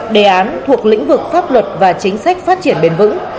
đề án thuộc lĩnh vực pháp luật và chính sách phát triển bền vững